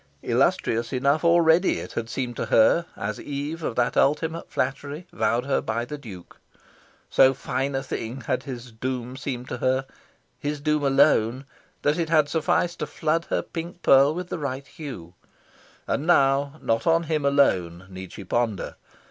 Illustrious enough already it had seemed to her, as eve of that ultimate flattery vowed her by the Duke. So fine a thing had his doom seemed to her his doom alone that it had sufficed to flood her pink pearl with the right hue. And now not on him alone need she ponder.